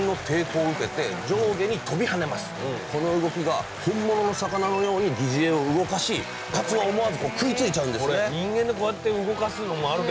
この動きが本物の魚のように擬似餌を動かしかつおは思わず食いついちゃうんですね